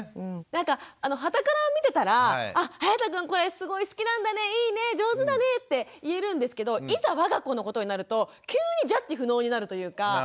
なんかはたから見てたらあはやたくんこれすごい好きなんだねいいね上手だねって言えるんですけどいざわが子のことになると急にジャッジ不能になるというか。